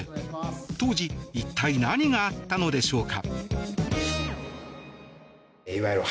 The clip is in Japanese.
当時一体何があったのでしょうか。